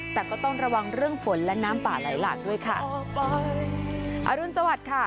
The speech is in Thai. แต่ก็ต้องระวังเรื่องฝนและน้ำป่าไหลหลากด้วยค่ะอรุณสวัสดิ์ค่ะ